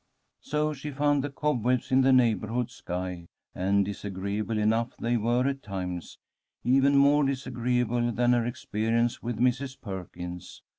So she found the cobwebs in the neighbourhood sky, and disagreeable enough they were at times, even more disagreeable than her experience with Mrs. Perkins.